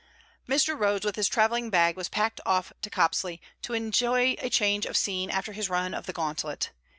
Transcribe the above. Mr. Rhodes with his travelling bag was packed off to Copsley, to enjoy a change of scene after his run of the gauntlet.